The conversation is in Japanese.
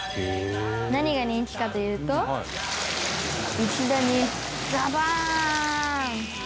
「何が人気かというと一度にザバーン！」